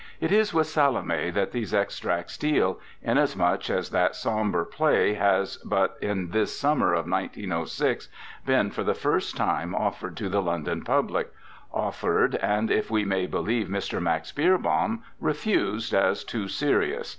It is with "Salome" that these extracts deal; inasmuch as that sombre play has but in this summer of 1906 been for the first time offered to the London public offered, and, if we may believe Mr. Max Beerbohm, refused as too serious